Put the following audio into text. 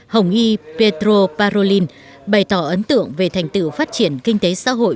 hồng y petro parolin bày tỏ ấn tượng về thành tựu phát triển kinh tế xã hội